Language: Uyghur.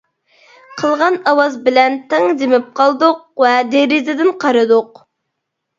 قىلغان ئاۋاز بىلەن تەڭ جىمىپ قالدۇق ۋە دېرىزىدىن قارىدۇق.